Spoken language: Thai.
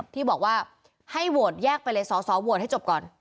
ที่บอกว่าให้โหวตแยกไปเลยสอสอโหวตให้จบก่อน